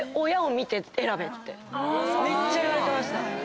めっちゃ言われてました。